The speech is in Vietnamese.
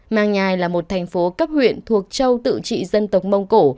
mang nhà là một thành phố cấp huyện thuộc châu tự trị dân tộc mông cổ